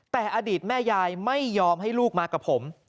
แต่อดีตแม่ยายไม่ยอมให้ลูกมากับผม